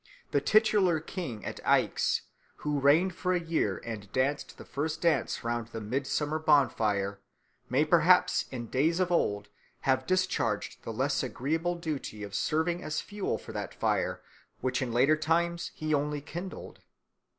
The titular king at Aix, who reigned for a year and danced the first dance round the midsummer bonfire, may perhaps in days of old have discharged the less agreeable duty of serving as fuel for that fire which in later times he only kindled.